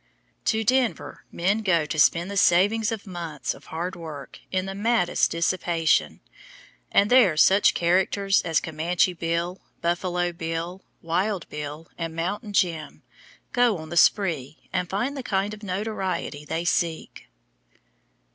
To Denver men go to spend the savings of months of hard work in the maddest dissipation, and there such characters as "Comanche Bill," "Buffalo Bill," "Wild Bill," and "Mountain Jim," go on the spree, and find the kind of notoriety they seek.